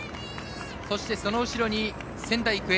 そしてその後ろに仙台育英。